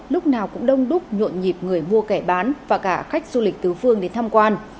lúc nào cũng đông đúc nhộn nhịp người mua kẻ bán và cả khách du lịch tứ phương đến tham quan